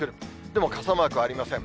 でも、傘マークはありません。